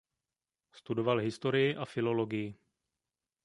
Studoval historii a filologii.